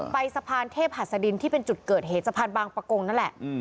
ไปสะพานเทพหัสดินที่เป็นจุดเกิดเหตุสะพานบางประกงนั่นแหละ